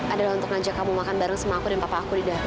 adalah untuk ngajak kamu makan bareng sama aku dan papa aku di dalam